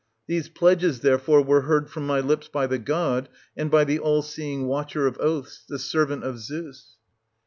These pledges, therefore, were heard from my lips by the god, and by the ail seeing Watcher of oaths, the servant of Zeus.